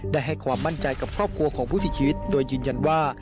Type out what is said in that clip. ให้ความมั่นใจกับครอบครัวของผู้เสียชีวิตโดยยืนยันว่า